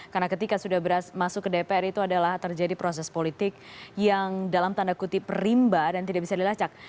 karena ketika sudah masuk ke dpr itu adalah terjadi proses politik yang dalam tanda kutip rimba dan tidak bisa dilacak